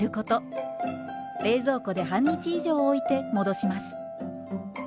冷蔵庫で半日以上置いて戻します。